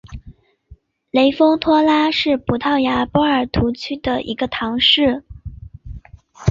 雷丰托拉是葡萄牙波尔图区的一个堂区。